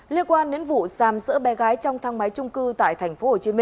liên quan đến vụ sàm sỡ bé gái trong thang máy trung cư tại tp hcm